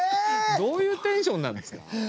どういうテンションなんですか。